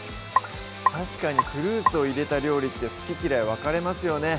確かにフルーツを入れた料理って好き嫌い分かれますよね